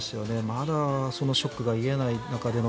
まだそのショックが癒えない中での